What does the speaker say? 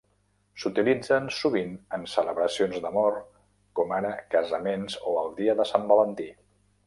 S'utilitzen sovint en celebracions d'amor com ara casaments o el Dia de Sant Valentí.